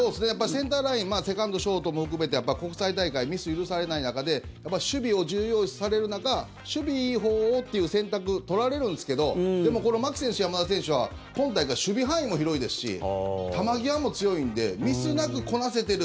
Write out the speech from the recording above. センターラインセカンド、ショートも含めて国際大会、ミス許されない中で守備を重要視される中守備いいほうをっていう選択取られるんですけどでもこの牧選手、山田選手は今大会、守備範囲も広いですし球際も強いんでミスなくこなせてる。